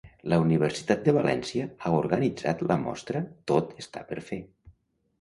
La Universitat de València ha organitzat la mostra Tot està per fer.